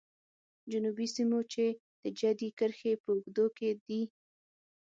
جنوبي سیمو چې د جدي کرښې په اوږدو کې دي.